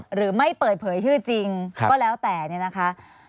หรือไม่เปิดเผยชื่อจริงก็แล้วแต่เนี่ยนะคะ